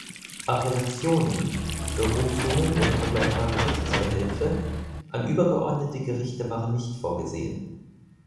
Appellationen (Berufungen oder vergleichbare Rechtsbehelfe) an übergeordnete Gerichte waren nicht vorgesehen.